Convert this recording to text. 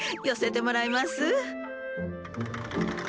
寄せてもらいます。